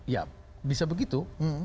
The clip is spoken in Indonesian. ya bisa begitu